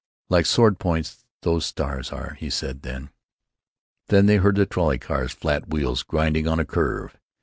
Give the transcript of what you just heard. "Like sword points, those stars are," he said, then—— Then they heard the trolley car's flat wheels grinding on a curve.